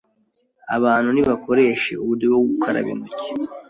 Abantu nibakoreshe uburyo bwo gukaraba intoki